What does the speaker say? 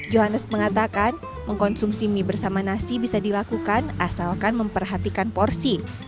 johannes mengatakan mengkonsumsi mie bersama nasi bisa dilakukan asalkan memperhatikan porsi